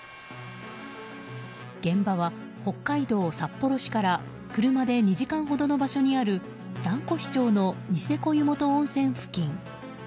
現場は北海道札幌市から車で２時間ほどの場所にある蘭越町のニセコ湯本温泉付近。